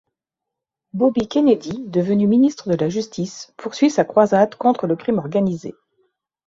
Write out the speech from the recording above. Bobby Kennedy, devenu Ministre de la Justice, poursuit sa croisade contre le crime organisé.